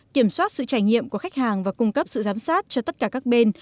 kiểm soát sự trải nghiệm của khách hàng và cung cấp sự giám sát cho tất cả các bên